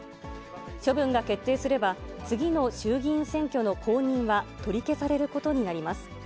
処分が決定すれば、次の衆議院選挙の公認は取り消されることになります。